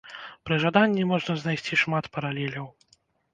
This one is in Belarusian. Пры жаданні можна знайсці шмат паралеляў.